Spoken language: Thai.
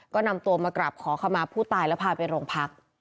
ก็นำตัวมากราบขอขมาผู้ตายแล้วพาไปโรงพัก